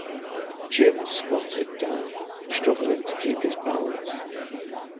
Jim squatted down, struggling to keep his balance.